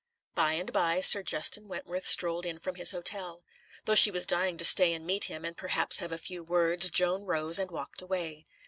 By and by, Sir Justin Wentworth strolled in from his hotel. Though she was dying to stay and meet him, and perhaps have a few words, Joan rose and walked away.